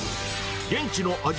現地の味